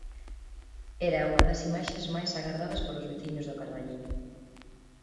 Era unha das imaxes máis agardadas polos veciños do Carballiño.